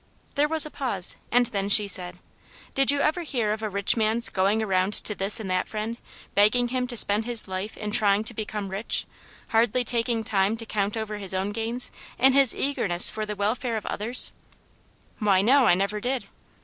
There was a pause, and then she said :" Did you ever hear of a rich man's going around to this and that friend, begging him to spend his life in trying to become rich, hardly taking time to count over his own gains in his eagerness for the welfare of others V " Why, no, I never did."